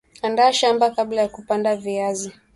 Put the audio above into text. andaa shamba kabla ya kupanda viazi